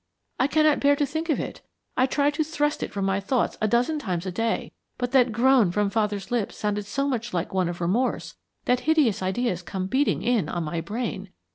I cannot bear to think of it. I try to thrust it from my thoughts a dozen times a day, but that groan from father's lips sounded so much like one of remorse that hideous ideas come beating in on my brain.